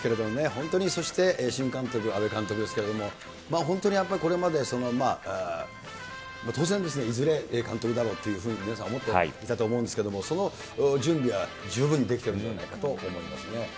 本当に、そして新監督、阿部監督ですけれども、本当にやっぱりこれまで当然ですね、いずれ監督だろうというふうに、皆さん思っていたと思うんですけれども、その準備は十分にできてるんじゃないかと思いますね。